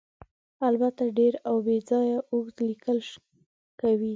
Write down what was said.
البته ډېر او بې ځایه اوږده لیکل کوي.